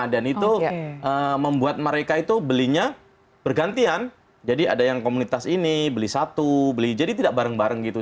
dan itu membuat mereka itu belinya bergantian jadi ada yang komunitas ini beli satu beli jadi tidak bareng bareng gitu